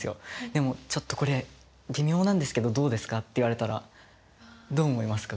でも「ちょっとこれ微妙なんですけどどうですか？」って言われたらどう思いますか？